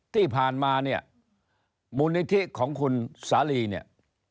ที่ผ่านมาเนี่ยมูลนิธิของคุณสาลีเนี่ย